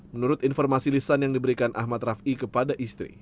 menurut informasi lisan yang diberikan ahmad rafi kepada istri